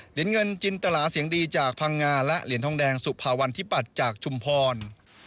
เหรียญเงินจินตลาเสียงดีจากพังงาและเหรียญทองแดงสุภาวันที่ปัตย์จากชุมพร